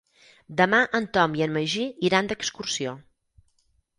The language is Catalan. Demà en Tom i en Magí iran d'excursió.